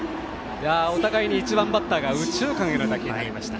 お互いに１番バッターが右中間への打球でした。